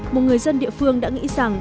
một người dân địa phương đã nghĩ rằng